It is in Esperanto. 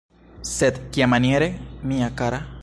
Sed kiamaniere, mia kara?